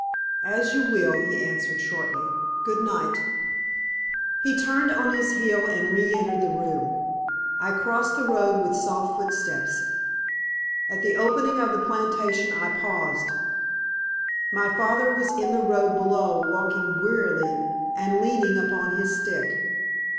"As you will," he answered, shortly. "Good night." He turned on his heel and re entered the room. I crossed the road with soft footsteps. At the opening of the plantation I paused. My father was in the road below walking wearily and leaning upon his stick.